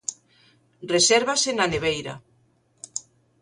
Resérvase na neveira.